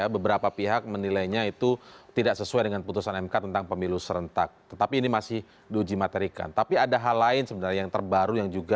perkataan standar p whistleblower